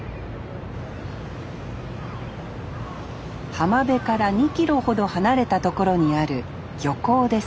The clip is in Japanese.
浜辺から２キロほど離れたところにある漁港です